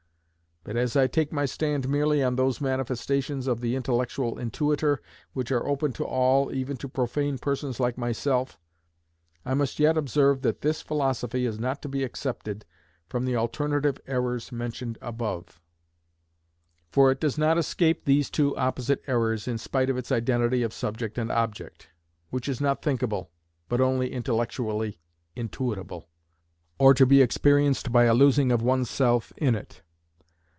But as I take my stand merely on those manifestoes of the "intellectual intuiter" which are open to all, even to profane persons like myself, I must yet observe that this philosophy is not to be excepted from the alternative errors mentioned above. For it does not escape these two opposite errors in spite of its identity of subject and object, which is not thinkable, but only "intellectually intuitable," or to be experienced by a losing of oneself in it.